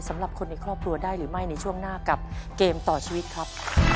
สำหรับคนในครอบครัวได้หรือไม่ในช่วงหน้ากับเกมต่อชีวิตครับ